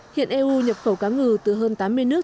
hiện eu nhập khẩu cá ngừ từ hơn tám mươi nước